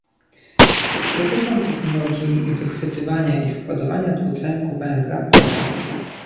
Krytykom technologii wychwytywania i składowania dwutlenku węgla powiem